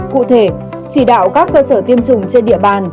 cụ thể chỉ đạo các cơ sở tiêm chủng trên địa bàn